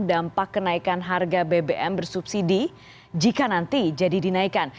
dampak kenaikan harga bbm bersubsidi jika nanti jadi dinaikkan